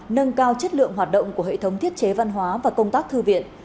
nâng cao chất lượng hoạt động của hệ thống thiết chế văn hóa và công tác thư viện